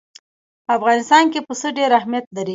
په افغانستان کې پسه ډېر اهمیت لري.